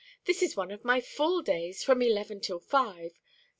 This is one of my full days, from eleven till five.